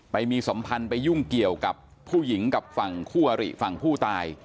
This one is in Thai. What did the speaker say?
ไปมีสัมพันธ์ไปยุ่งเกี่ยวกับผู้หญิงกับฝั่งคู่อริฝั่งผู้ตาย